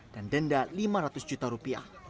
dan denda lima ratus juta rupiah